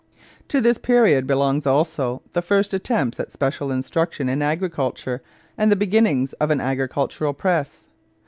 To this period belongs also the first attempts at special instruction in agriculture and the beginning of an agricultural press.